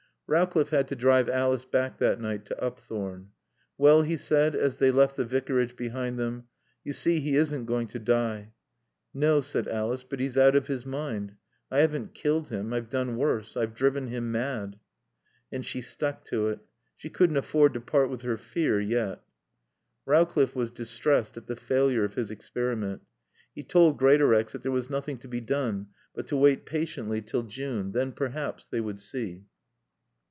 Rowcliffe had to drive Alice back that night to Upthorne. "Well," he said, as they left the Vicarage behind them, "you see he isn't going to die." "No," said Alice. "But he's out of his mind. I haven't killed him. I've done worse. I've driven him mad." And she stuck to it. She couldn't afford to part with her fear yet. Rowcliffe was distressed at the failure of his experiment. He told Greatorex that there was nothing to be done but to wait patiently till June. Then perhaps they would see.